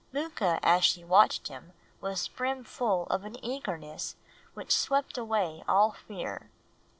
Mooka as she watched him was brim full of an eagerness which swept away all fear.